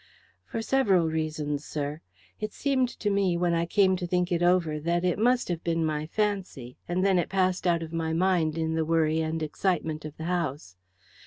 "For several reasons, sir. It seemed to me, when I came to think it over, that it must have been my fancy, and then it passed out of my mind in the worry and excitement of the house.